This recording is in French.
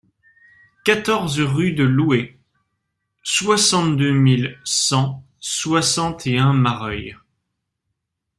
quatorze rue de Louez, soixante-deux mille cent soixante et un Marœuil